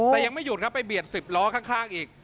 แต่ยังไม่หยุดครับไปเบียด๑๐ล้อข้างอีก